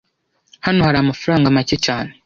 Hano hari amafaranga make cyane